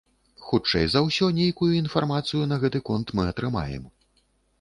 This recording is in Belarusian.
Хутчэй за ўсё, нейкую інфармацыю на гэты конт мы атрымаем.